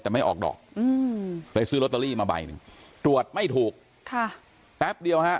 แต่ไม่ออกดอกอืมไปซื้อลอตเตอรี่มาใบหนึ่งตรวจไม่ถูกค่ะแป๊บเดียวฮะ